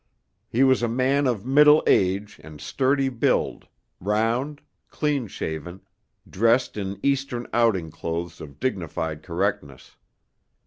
He was a man of middle age and sturdy build, round, clean shaven, dressed in Eastern outing clothes of dignified correctness.